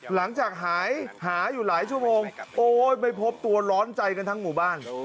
หลังจากหายหาอยู่หลายชั่วโมงโอ๊ยไม่พบตัวร้อนใจกันทั้งหมู่บ้าน